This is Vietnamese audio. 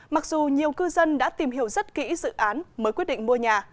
mặc dù nhiều cư dân đã tìm hiểu rất kỹ dự án mới quyết định mua nhà